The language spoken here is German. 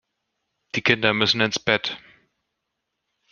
Die Kinder müssen ins Bett.